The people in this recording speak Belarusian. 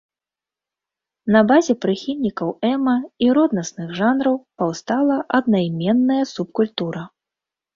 На базе прыхільнікаў эма і роднасных жанраў паўстала аднайменная субкультура.